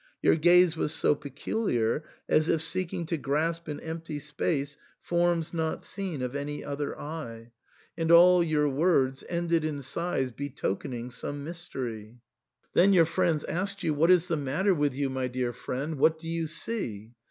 Your gaze was so peculiar, as if seeking to grasp in empty space forms not seen of any other eye, and all your i86 THE SAND'MAir. words ended in sighs betokening some mystery. Then your friends asked you, " What is the matter with you, my dear friend ? What do you see